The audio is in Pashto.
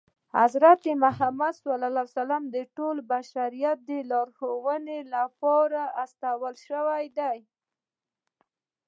حضرت محمد ص د ټول بشریت د لارښودنې لپاره را استول شوی دی.